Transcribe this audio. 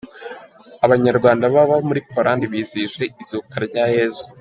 Abanyarwanda baba murI Polandi bizihije Izuka ryayezu